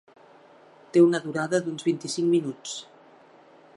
Té una durada d'uns vint-i-cinc minuts.